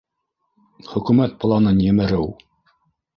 Хөкүмәт планын емереү!